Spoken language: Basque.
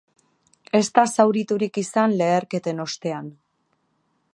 Ez da zauriturik izan leherketen ostean.